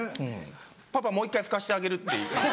「パパもう１回拭かしてあげる」って。